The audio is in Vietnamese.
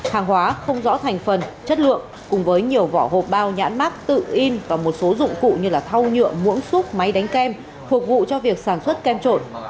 hàng hóa không rõ thành phần chất lượng cùng với nhiều vỏ hộp bao nhãn mát tự in và một số dụng cụ như thau nhựa mũng xúc máy đánh kem phục vụ cho việc sản xuất kem trộn